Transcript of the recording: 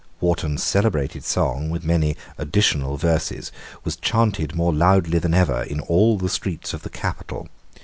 Wharton's celebrated song, with many additional verses, was chaunted more loudly than ever in all the streets of the capital.